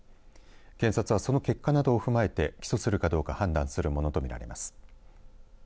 検察はその結果などを踏まえて起訴するかどうかを判断するものと見られます。